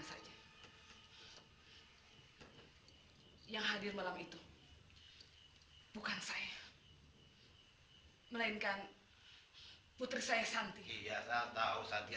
saya harus memberikan kesempatan buat dia